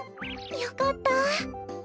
よかった。